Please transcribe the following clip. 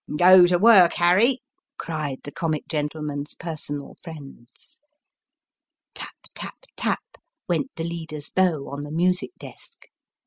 " Go to work, Harry," cried the comic gentleman's per sonal friends. " Tap tap tap," went the leader's bow on the music desk.